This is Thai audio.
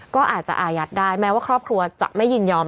ก็อาจจะอายัดได้แม้ว่าครอบครัวจะไม่ยินยอม